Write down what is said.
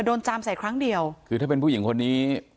จามใส่ครั้งเดียวคือถ้าเป็นผู้หญิงคนนี้